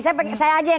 saya aja yang ngejelasin